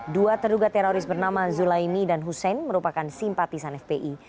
dua terduga teroris bernama zulaini dan hussein merupakan simpatisan fpi